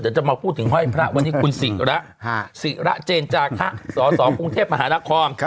เดี๋ยวจะมาพูดถึงไห้พระวันนี้คุณศรีระเจนจาฆะสสกรุงเทพมหานคร